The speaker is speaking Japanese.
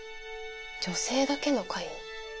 女性だけの会。